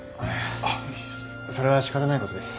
それは仕方ないことです。